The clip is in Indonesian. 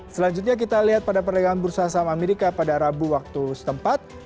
selanjutnya kita lihat pada perdagangan bursa saham amerika pada rabu waktu setempat